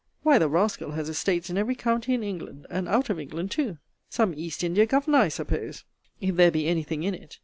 Why, the rascal has estates in every county in England, and out of England too. Some East India governor, I suppose, if there be any thing in it.